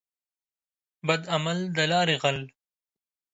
بد عمل دلاري غل.